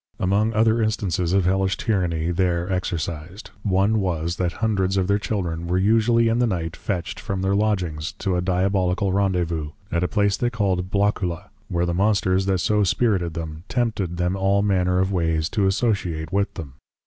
Among other Instances of Hellish Tyranny there exercised. One was, that Hundreds of their Children, were usually in the Night fetcht from their Lodgings, to a Diabolical Rendezvouz, at a place they called, Blockula, where the Monsters that so Spirited them, \Tempted\ them all manner of Ways to \Associate\ with them.